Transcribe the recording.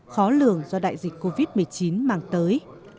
khó lường do đại dịch covid một mươi chín mang tới